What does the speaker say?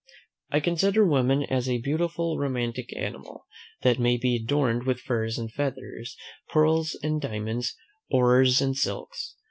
I consider woman as a beautiful romantic animal, that may be adorned with furs and feathers, pearls and diamonds, ores and silks.